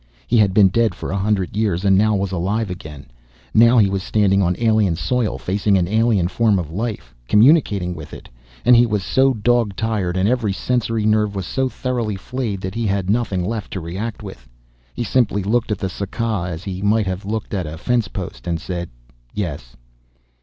He had been dead for a hundred years and now he was alive again. Now he was standing on alien soil, facing an alien form of life, communicating with it, and he was so dog tired and every sensory nerve was so thoroughly flayed that he had nothing left to react with. He simply looked at the Saka as he might have looked at a fence post, and said, "Yes."